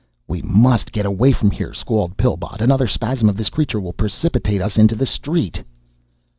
"We must get away from here," squalled Pillbot. "Another spasm of the creature will precipitate us into the street!"